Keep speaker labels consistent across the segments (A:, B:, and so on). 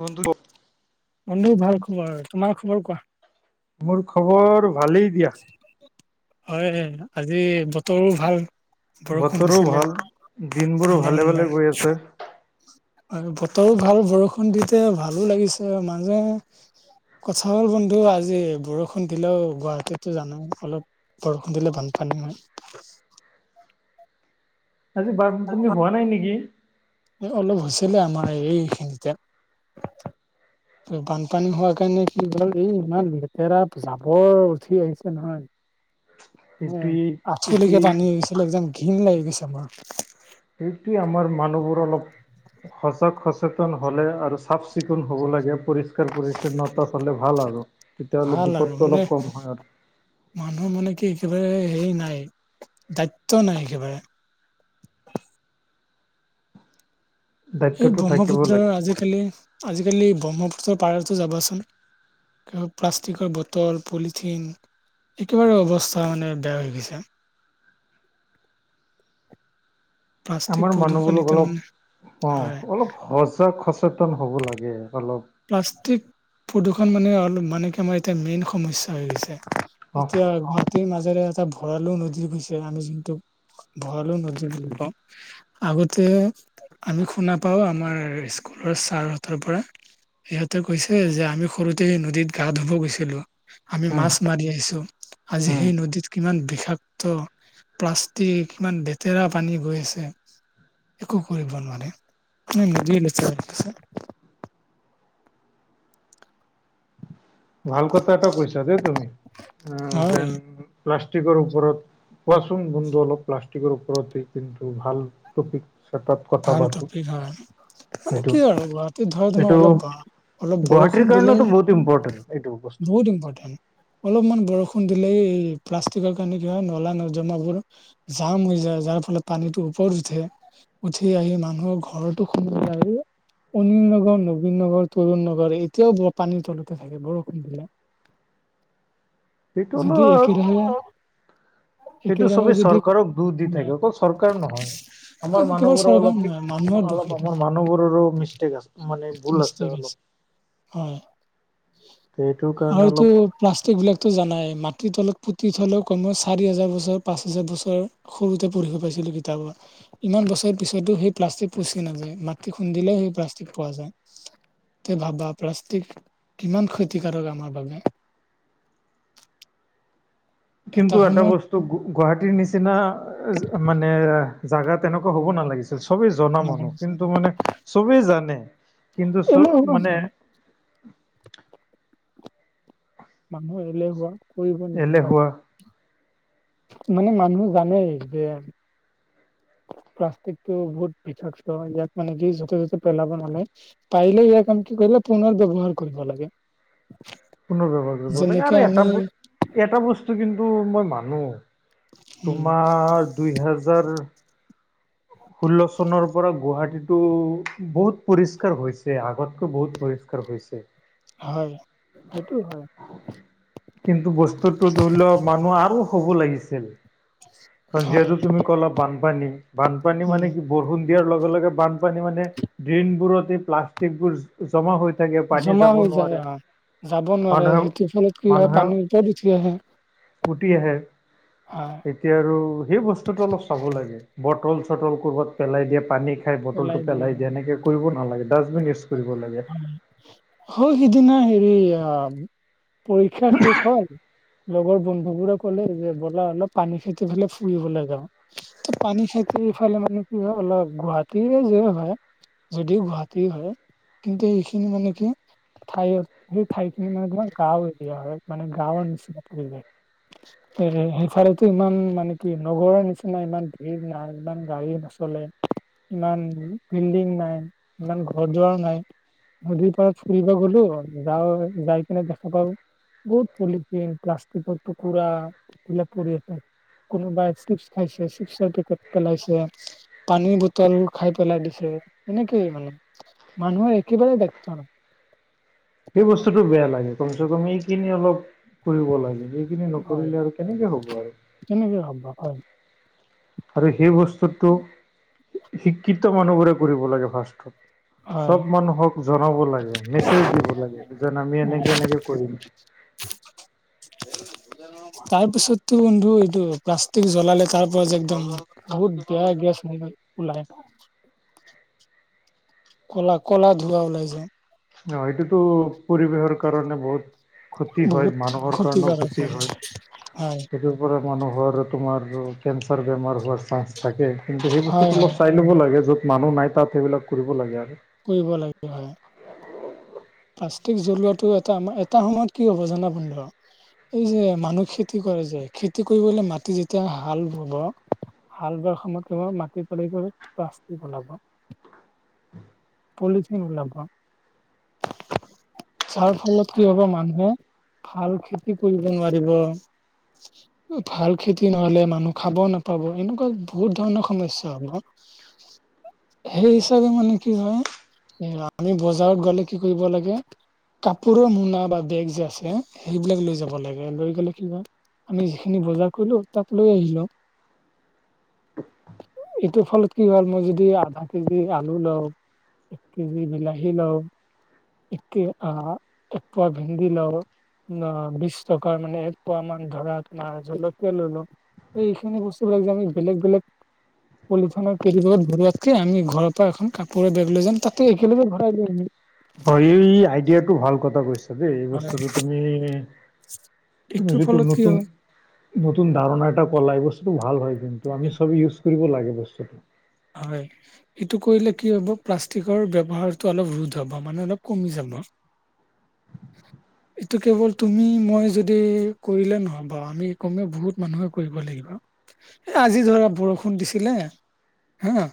A: বন্ধু
B: বন্ধু ভাল খবৰ, তোমাৰ খবৰ কোৱা?
A: মোৰ খবৰ ভালেই দিয়া।
B: হয় আজি বতৰো ভাল। বৰষুণ
A: বতৰো
B: দিছিলে,
A: ভাল। দিনবোৰো ভালে ভালে
B: ঠাণ্ডা-ঠাণ্ডা।
A: গৈ আছে
B: আৰু বতৰো ভাল বৰষুণ দিওতে ভালো লাগিছে মাজে কথা হ'ল বন্ধু আজি বৰষুণ দিলেও গুৱাহাটীত টো জানো অলপ বৰষুণ দিলে বানপানী হয়।
A: আজি বানপানী হোৱা নাই নেকি?
B: অলপ হৈছিলে আমাৰ এই খিনিতে। বানপানী হোৱা কাৰণে কি হ'ল এই ইমান লেতেৰা জাবৰ উঠি আহিছে নহয়। উম,
A: এইটোৱে এইটোৱে
B: আঠুলৈকে পানী হৈ গৈছিলে একদম ঘিং লাগি গৈছে মোৰ।
A: সেইটোৱেই আমাৰ মানুহবোৰ অলপ সজাগ-সচেতন হ'লে আৰু চাফ-চিকুণ হ'ব লাগে পৰিষ্ কাৰ পৰিচ্ছন্নতা ফালে ভাল আৰু তেতিয়াহ'লে
B: ভাল আৰু
A: বিপদটো
B: মানে
A: অলপ কম হয় আৰ।
B: মানুহ মানে কি একেবাৰে হেৰি নাই দায়িত্ব নাই একেবাৰে। এই
A: দায়িত্বটো থাকিব
B: ব্ৰহ্মপুত্ৰৰ
A: লাগে
B: আজিকালি, আজিকালি ব্ৰহ্মপুত্ৰৰ পাৰতো যাবাচোন। প্লাষ্টিকৰ বটল, পলিথিন। একেবাৰে অৱস্থা মানে বেয়া হৈ গৈছে। প্লাষ্টিক
A: আমাৰ
B: প্ৰদূষণ
A: মানুহবোৰক
B: এতিয়া
A: অলপ,
B: মানে
A: অ
B: হয়
A: অলপ সজাগ সচেতন হ'ব লাগে অলপ।
B: প্লাষ্টিক প্ৰদূৰ্ষণ মানে মানে কি আমাৰ এতিয়া মেইন সমস্যা হৈ গৈছে।
A: অ
B: এতিয়া ঘৰ তিৰ মাজেৰে এটা ভঁৰালু নদী পিছে আমি যোনটো ভঁৰালু নদী বুলি কওঁ। আগতে আমি শুনা পাও আমাৰ স্কুলৰ ছাৰ হঁতৰ পৰা। সিহঁতে কৈছে যে আমি সৰুতে নদীত গা ধুব গৈছিলোঁ। আমি
A: উম
B: মাছ মাৰি আহিছো আজি
A: উম
B: সেই নদীত কিমান বিষাক্ত, প্লাষ্টিক কিমান লেতেৰা পানী গৈ আছে। একো কৰিব নোৱাৰে নে নদী লেটেৰা হৈছে।
A: ভাল কথা এটা কৈছা দেই তুমি আহ
B: হয়
A: যেন প্লাষ্টিকৰ ওপৰত কোৱাচোন বন্ধু অলপ প্লাষ্টিকৰ ওপৰতে কিন্তু ভাল টপিক চতাপ কথা
B: ভাল
A: পাতোঁ।
B: টপিক হয় মানে
A: এইটো
B: কি আৰু গুৱাহাটীত ধৰা তোমাৰ
A: এইটো
B: অলপ বা অলপ বৰষুণ
A: গুৱাহাটীৰ
B: দিলেই
A: কাৰণেওতো বহুত ইম্পৰ্টেণ্ট। সেইটো বস্ত-
B: বহুত ইম্পৰ্টেণ্ট অলপমান বৰষুণ দিলেই এই প্লাষ্টিকৰ কাৰণে কি হয় নলা নৰ্দমাবোৰ জাম হৈ যায় যাৰ ফলত পানীটো ওপৰত উঠে। উঠি আহি মানুহৰ ঘৰটো সুন্দা এ অনি নগৰ, নবীন নগৰ, তৰুণ নগৰ এতিয়াও ব পানীৰ তলতে থাকে বৰষুণ দিলে
A: সেইটো
B: যদি
A: অলপ
B: একে [unintelligible]
A: সেইটো সবেই চৰকাৰক দূৰ দি থাকে অকল চৰকাৰ নহয় আমাৰ
B: কেৱল
A: মানুহবোৰৰ
B: চৰকাৰ
A: অলপ
B: নহয় মানুহৰ দোষ
A: অলপ
B: এইটো।
A: আমাৰ মানুহবোৰৰো মিষ্টেক আছে মানে ভুল আছে অলপ।
B: হয়
A: সেইটো কাৰণে
B: আৰুটো
A: অলপ
B: প্লাষ্টিক বিলাকতো জানাই মাটিৰ তলত পুতি থলে কমে চাৰি হাজাৰ বছৰ পাঁচ হাজাৰ বছৰ সৰুতে পঢ়িব পাইছিলো কিতাপত ইমান বছৰ পিছতো সেই প্লাষ্টিক পুচি নাযায় মাটি খুন্দিলে সেই প্লাষ্টিক পোৱা যায়। তে ভাবা প্লাষ্টিক কিমান ক্ষতিকাৰক আমাৰ বাবে।
A: কিন্তু এটা বস্ত- ত' গুৱাহাটীৰ নিচিনা মানে জাগা তেনেকুৱা হ'ব নালাগিছি- চবেই জনা মানুহ
B: নামানিছিল,
A: কিন্তু মানে চবেই জানে কিন্তু চ মানে
B: এলেহুৱা মানুহে এলেহুৱা কৰিব নিবিচাৰে।
A: এলেহুৱা
B: মানে মানুহ জানেই যে প্লাষ্টিকটো বহুত বিষাক্ত ইয়াত মান কি য'তে ত'তে পেলাব নেলায়। পাৰিলে ইয়া কাম কি কৰিলে পুনৰ ব্যৱহাৰ কৰিব লাগে।
A: পুনৰ ব্যৱহাৰ কৰিব লাগে
B: যেনেকে
A: আৰু এটা
B: আমি
A: ব এটা বস্তু কিন্তু মই মানো।
B: উম
A: তোমাৰ দুই হেজাৰ ষোল্ল চনৰ পৰা গুৱাহাটীতটো বহুত পৰিষ্কাৰ হৈছে আগতকৈ বহুত পৰিষ্কাৰ হৈছ- ছে
B: হয় সেইটো হয়।
A: কিন্তু বস্তুতটো ধৰি লওঁক মানুহ আৰু হ'ব লাগিছিল। কাৰন
B: হয়
A: যিহেতু তুমি ক'লা বানপানী বানপানী
B: উম
A: মানে কি? বৰষুণ দিয়াৰ লগে লগে বানপানী মানে ড্ৰেইনবোৰত এই প্লাষ্টিক বোৰ জমা হৈ থাকে পানী
B: জমা
A: যাব
B: হৈ যায়
A: নোৱাৰে।
B: অ যাব নোৱাৰে
A: মানুহে
B: সেইটোৰ ফলত কি হয় পানীৰ ওপৰত উঠি আহে।
A: গুটি আহে।
B: হয়।
A: এতিয়া আৰু সেই বস্তুটো অলপ চাব লাগে বটল চটল কবাত পেলাই দিয়ে পানীত খাই বটলটো পেলাই দিয়ে এনেকে কৰিব নালাগে ডাষ্টবিন ইউজ কৰিব লাগে
B: সৌ সিদিনা হেৰি অ পৰীক্ষা শেষ হল লগৰ বন্ধু বোৰে ক'লে যে ব'লা অলপ পানী খেটি ফেলাই ফুৰিবলৈ যাওঁ ত পানী খেতিৰফালে মানে কি হয় অলপ গুৱাহাটীৰে যে হয় যদিও গুৱাহাটী হয় কিন্তু এইখিনি মানে কি ঠাই সেই ঠাইখিনি মানে তোমাৰ গাঁও এৰিয়া হয় মানে গাঁৱৰ নিচিনা পৰিৱেশ। [unintelligible] সেইফালেতো ইমান মানে কি নগৰৰ নিচিনা ইমান ভিৰ নাই ইমান গাড়ী নচলে। ইমান বিল্ডিং নাই, ইমান ঘৰ দুৱাৰো নাই। নদীৰ পৰাত ফুৰিব গলো, যাও যাই কিনে দেখা পাও বহুত পলিথিন প্লাষ্টিকৰ টুকুৰা এই বিলাক পৰি আছে। কোনোবাই চিপছ খাইছে চিপছৰ পেকেট পেলাইছে, পানী বটল খাই পেলাই দিছে এনেকেই মানে মানুহৰ একেবাৰে দায়িত্ব নাই
A: সেই বস্তুটো বেয়া লাগে, কমচে কম এই কিনি অলপ কৰিব লাগে। সেই- খিনি
B: হয়
A: নকৰিলে আৰু কেনেকে হ'ব আৰু।
B: কেনেকে সম্ভব হয়।
A: আৰু সেই বস্তুটো শিক্ষিত মানুহবোৰে কৰিব লাগে ফাৰ্ষ্টত।
B: হয়
A: চব মানুহক জনাব লাগে মেছেজ দিব লাগে যেন আমি এনেকে এনেকে কৰিম।
B: [unintelligible] তাৰ পিছততো বন্ধু এইটো প্লাষ্টিক জ্বলালে তাৰ পৰা যে একদম বহুত বেয়া গেছ ও ওলাই কলা কলা ধুুৱা ওলাই যে
A: ন সেইটোতো পৰিৱেশৰ কাৰণে বহুত ক্ষতি হয়
B: বহুত
A: মানুহৰ কাৰণেও
B: ক্ষতিকাৰক
A: ক্ষতি হয়
B: হয়
A: সেইটো মানুহৰ তোমাৰতো কেঞ্চাৰ বেমাৰ হোৱাৰ চাঞ্চ থাকে কিন্তু সেই
B: হয়
A: বস্তুটো
B: হয়
A: অলপ চাই ল'ব লাগে য'ত মানুহ নাই তাত সেইবিলাক কৰিব লাগে আৰু।
B: কৰিব লাগে হয়। প্লাষ্টিক জ্বলোৱাটো এটা এটা সময়ত কি হ'ব জানা বন্ধু। এই যে মানুহ খেতি কৰে যে খেতি কৰিবলে মাটি যেতিয়া হাল বাব হাল বোৱাৰ সময়ত কেৱল মাটি তলি কৰিত প্লাষ্টিক ওলাব। পলিথিন ওলাব। যাৰ ফলত কি হব মানুহে ভাল খেতি কৰিব নোৱাৰিব ভাল খেতি নহলে মানুহ খাব নাপাব এনেকোৱা বহুত ধৰণৰ সমস্যা হ'ব। সেই হিচাপে মানে কি হয় আমি বজাৰত গ'লে। কি কৰিব লাগে কাপোৰৰ মোনা বা বেগ যে আছে সেইবিলাক লৈ যাব লাগে লৈ গ'লে কি হয়, আমি যিখিনি বজাৰ কৰিলো তাত লৈ আহিলো। এইটোৰ ফলত কি হ'ল মই যদি আধা কেজি আলু লও। এক কেজি বিলাহী লও এতিয়া আ এক পোৱা ভেন্দী লও অ বিশ টকাৰ মানে এক পোৱা মান ধৰা তোমাৰ জলকীয়া ললো। এইখিনি বস্তু বিলাক যে আমি বেলেগ বেলেগ পলিথনৰ কেৰি বেগত ভৰোৱাতকে আমি ঘৰৰ পৰা এখন কাপোৰে বেগ লৈ যাম তাতে একেলগে ভৰাই লৈ আহিম
A: হয় এই আইডিয়াটো ভাল কথা কৈছা দেই এই
B: হয়
A: বস্তুটো তুমি তুমি
B: এইটোৰ
A: যিটো,
B: ফলত কি
A: নতুন
B: হ'ব
A: নতুন ধাৰণা এটা ক'লা! এই বস্তুটো ভাল হয়। কিন্তু, আমি চবেই ইউজ কৰিব লাগে, বস্তুটো।
B: হয়! সেইটো কৰিলে, কি হ'ব? প্লাষ্টিকৰ ব্যৱহাৰটো অলপ ৰোধ হ'ব। মানে, অলপ কমি যাব। [inaudible] এইটো কেৱল তুমি, মই যদি, কৰিলে নহ'ব। আমি কমে বহুত মানুহে কৰিব লাগিব। এ, আজি ধৰা, বৰষুণ দিছিলে। হা!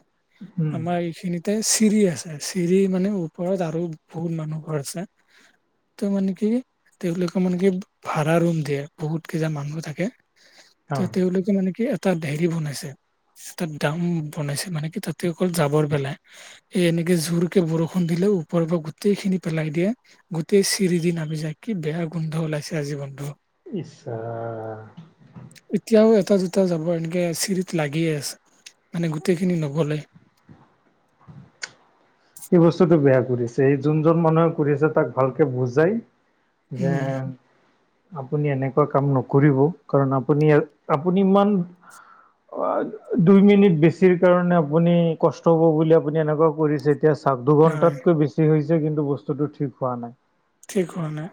A: উম
B: আমাৰ এইখিনিত। তাতে, চিৰি আছে। চিৰি মানে, ওপৰত আৰু বহুত মানুহ ঘৰ আছে। ত' মানে কি? তেওঁলোকে মানে, কি? ভাড়া ৰুম দিয়ে। বহুত কেইজন মানুহ থাকে।
A: অ
B: ত' তেওঁলোকে মানে, কি! এটা হেৰি বনাইছে। তাত দ্ৰাম বনাইছে। মানে কি! তাতে অকল জাবৰ পেলাই এ, এনেকে জোৰকে বৰষুণ দিলেও পৰৰ পৰা গোটেই খিনি পেলাই দিয়ে। গোটেই চিৰিদি নামি যায়। কি বেয়া গোন্ধ ওলাইছে আজি বন্ধু।
A: ইচ্ চা!
B: এতিয়াও, এটা -দুটা যাব, এনেকে আছিল। লাগিয়ে আছে। মানে, গোটেইখিনি নগ'লে।
A: এই বস্তুতটো বেয়া কৰিছে। এই, যোনজন মানুহে কৰিছে, তাক ভালকে বুজাই
B: উম
A: যেন। আপুনি এনেকুৱা কাম নকৰিব। কাৰণ আপুনি, আপুনি ইমান অ'! দুই মিনিট বেছিৰ কাৰণে আপুনি, কষ্ট হ'ব বুলি, আপুনি এনেকুৱা কৰিছে? এতিয়া চাওঁক?
B: হয়
A: দুঘন্টাতকৈ বেছি হৈছে। কিন্তু, বস্তুটো ঠিক হোৱা নাই।
B: ঠিক হোৱা নাই?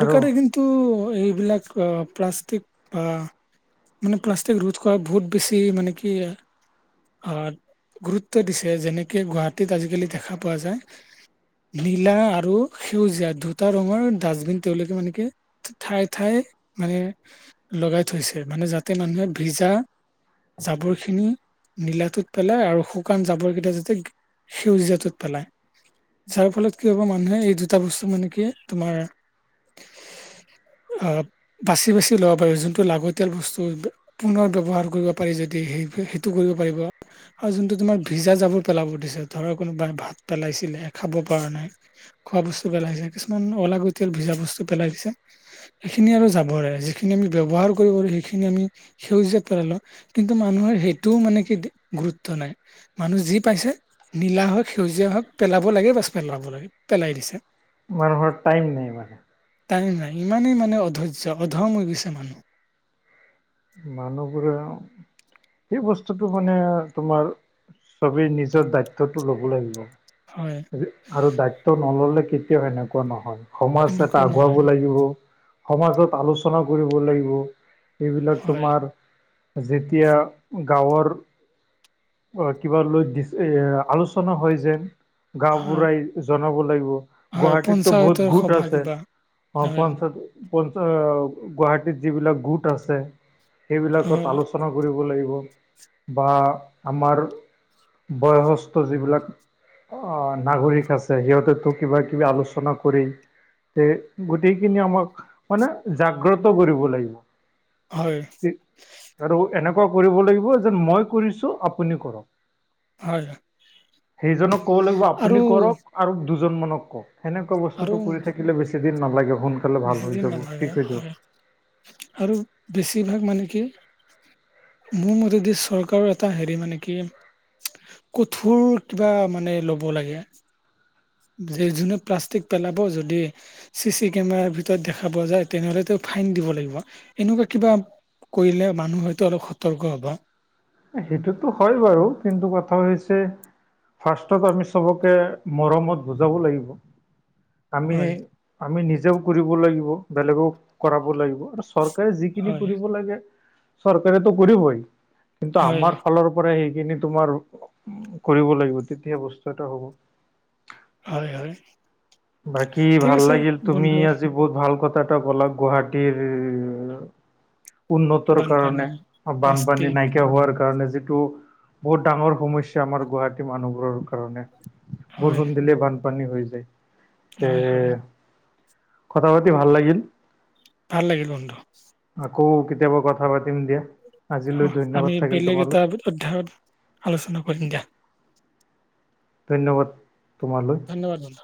A: আৰু
B: কিন্তু কিন্তু, এইবিলাক প্লাষ্টিক বা মানে, প্লাষ্টিক ৰোধ কৰাত বহুত বেছি মানে, কি? আঁ গুৰুত্ব দিছে। যেনেকে, গুৱাহাটীত আজিকালি দেখা পোৱা যায়। নীলা আৰু সেউজীয়াত দুটা ৰঙৰ ডাষ্টবিন তেওঁলোকে মানে কি ঠাই ঠাই মানে লগাই থৈছে। মানে, যাতে মানুহে ভিজা জাবৰ খিনি নীলাটোত পেলাই আৰু শুকান জাবৰ কেইটা যাতে সেউজীয়াটোত পেলাই। যাৰ ফলত, কি হ'ব? মানুহে, এই দুটা বস্তু মানে কি? তোমাৰ, আঁ বাচি- বাচি ল'ব পাৰি, যোনটো লাগতিয়াল বস্তু। পুনৰ ব্যৱহাৰ কৰিব পাৰি যদি, সেই, সেইটো কৰিব পাৰিব। আৰু যোনটো তোমাৰ, ভিজা জাবৰ পেলাব দিছে, ধৰা কোনোবাই ভাত পেলাইছিলে, খাব পৰা নাই। খোৱা বস্তু পেলাইছে। কিছুমান, অলাগতিয়াল ভিজা বস্তু পেলাইছে। সেইখিনি আৰু জাবৰে। যিখিনি আমি, ব্যৱহাৰ কৰিব পাৰোঁ, সেইখিনি আমি সেউজীয়াত পেলালোঁ। কিন্তু, মানুহৰ সেইটোও মানে, কি! গুৰুত্ব নাই। মানুহ যি পাইছে, নীলা হওঁক, সেউজীয়া হওঁক পেলাব লাগে বচ, পেলাব লাগে, পেলাই দিছে।
A: মানুহৰ টাইম নাই মানে।
B: টাইম নাই। ইমানেই মানে, অধৈৰ্য্য! অধম হৈ গৈছে মানুহ।
A: মানুহ বোৰেও সেই বস্তুটো মানে, তোমাৰ চবেই নিজৰ দায়িত্বটো ল'ব লাগিব।
B: হয়!
A: আৰু দায়িত্ব নল'লে, কেতিয়াও সেনেকুৱা নহয়। সমাজ
B: এনেকুৱা
A: এটা
B: নহয়
A: আগুৱাব লাগিব। সমাজত আলোচনা কৰিব লাগিব। এইবিলাক,
B: হয়
A: তোমাৰ যেতিয়া, গাঁৱৰ অ'! কিবা লৈ দিছে, আলোচনা হয় যেন।
B: হয়
A: গাঁওবুঢ়াই জনাব লাগিব।
B: হয়
A: গুৱাহাটীততো
B: পঞ্চায়তৰ
A: বহুত গোট
B: সভা
A: আছে।
B: কিবা
A: অ,
B: হয়
A: পঞ্চাত পঞ্চায় গুৱাহাটীত যিবিলাক গোট আছে। সেইবিলাকত
B: হয়
A: আলোচনা কৰিব লাগিব বা আমাৰ বয়সস্থ যিবিলাক অ, নাগৰিক আছে সিহঁতে তো কিবা- কিবি আলোচনা কৰি তে গোটেইখিনি আমাক মানে জাগ্ৰত কৰিব লাগিব।
B: হয়।
A: তি আৰু এনেকুৱা কৰিব লাগিব যেন মই কৰিছো আপুনি কৰক।
B: হয়
A: সেইজনক কব লাগিব
B: আৰু
A: আপুনি কৰক। আৰু দুজনমানক ক' ক সেনেকুৱা
B: আৰু
A: বস্তুটো কৰি থাকিলে বেছি দিন নালাগেওঁ সোনকালে ভাল
B: বেছি
A: হৈ
B: দিন
A: যাব
B: নালাগে
A: ঠিক হৈ যোৱা।
B: হয় আৰু বেছিভাগ মানে কি মোৰ মতেদি চৰকাৰৰ এটা হেৰি মানে কি কঠোৰ কিবা মানে ল'ব লাগে। যি যোনে প্লাষ্টিক পেলাব যদি চি -চি কেমেৰাৰ ভিতৰত দেখা পোৱা যায় তেনেহ'লে টো ফাইন দিব লাগিব এনেকোৱা কিবা কৰিলে মানুহ হয়তো অলপ সতৰ্ক হ'বা।
A: এ সেইটোতো হয় বাৰু কিন্তু কথা হৈছে ফাৰ্ষ্টত আমি চবকে মৰমত বুজাব লাগিব। আমি
B: হয়
A: -আমি নিজেও কৰিব লাগিব বেলেগও কৰাব লাগিব আৰু চৰকাৰে যিকিনি
B: হয়
A: কৰিব লাগে চৰকাৰেতো কৰিবই। কিন্তু
B: হয়
A: আমাৰ ফালৰ পৰাই সেইখিনি তোমাৰ কৰিব লাগিব তেতিয়া বস্তু এটা হ'ব।
B: হয়-হয়
A: বাকী ভাল লাগিল তুমি আজি বহুত ভাল কথা এটা ক'লা গুৱাহাটীৰ উন্নতৰ
B: বানপানী
A: কাৰণে বানপানী
B: প্লাষ্টিক
A: নাইকিয়া হোৱাৰ কাৰণে যিটো বহুত ডাঙৰ সমস্যা আমাৰ গুৱাহাটী মানুহবোৰৰ কাৰণে
B: হয়
A: বৰষুণ দিলে বান পানী হৈ যায় তে
B: হয় হয়
A: কথা পাতি ভাল লাগিল?
B: ভাল লাগিল বন্ধু।
A: আকৌ কেতিয়াবা কথা পাতিম দিয়া
B: অ
A: আজিলৈ ধন্যবাদ
B: আমি
A: থাকিল
B: বেলেগ
A: তোমালৈ।
B: এটা অধ্যায়ত আলোচনা কৰিম দিয়া।
A: ধন্যবাদ তোমালৈ।
B: ধন্যবাদ বন্ধু।